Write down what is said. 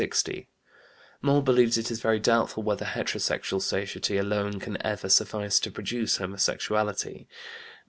Moll believes it is very doubtful whether heterosexual satiety alone can ever suffice to produce homosexuality.